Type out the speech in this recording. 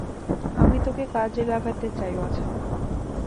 আমি তোকে কাজে লাগতে চাই, বাছা।